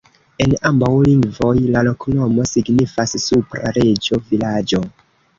En ambaŭ lingvoj la loknomo signifas: supra-reĝo-vilaĝo.